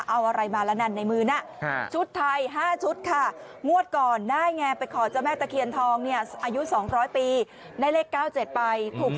เอาอะไรมาละนั่นในมือน่ะชุดไทย๕ชุดค่ะงวดก่อนได้ไงไปขอเจ้าแม่ตะเคียนทองเนี่ยอายุ๒๐๐ปีได้เลข๙๗ไปถูก